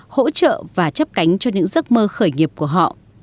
hỗ trợ và chấp cánh cho những giấc mơ khởi nghiệp của họ